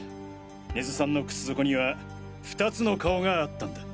根津さんの靴底には「２つの顔」があったんだ。